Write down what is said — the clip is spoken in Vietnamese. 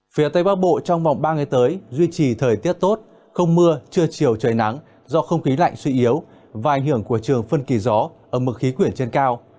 phía tây bắc bộ trong vòng ba ngày tới duy trì thời tiết tốt không mưa trưa chiều trời nắng do không khí lạnh suy yếu và ảnh hưởng của trường phân kỳ gió ở mực khí quyển trên cao